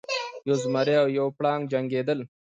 یو زمری او یو پړانګ جنګیدل.